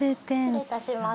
失礼いたします。